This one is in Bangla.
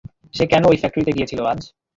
সে কেন ওই ফ্যাক্টরিতে গিয়েছিল আজ?